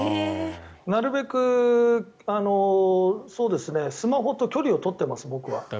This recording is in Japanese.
なるべくスマホと距離を取っています僕は。